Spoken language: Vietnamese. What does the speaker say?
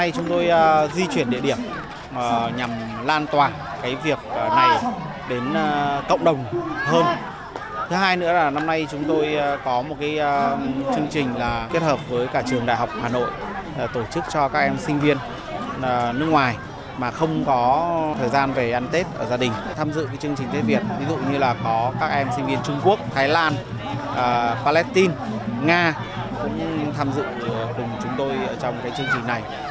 có các em sinh viên trung quốc thái lan palestine nga cũng tham dự cùng chúng tôi trong chương trình này